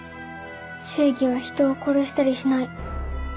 正義は人を殺したりしない。